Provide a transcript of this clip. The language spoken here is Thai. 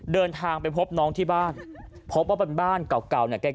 เดินทางไปพบน้องที่บ้านพบว่าเป็นบ้านเก่าเนี่ย